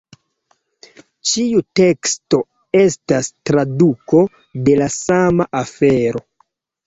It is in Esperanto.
Ĉiu teksto estas traduko de la sama afero.